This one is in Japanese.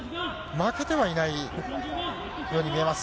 負けてはいないように見えます。